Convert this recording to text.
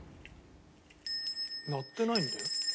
「鳴ってないんだよ」